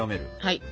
はい。